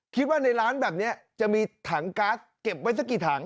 คิดว่าในร้านแบบนี้จะมีถังก๊าซเก็บไว้สักกี่ถัง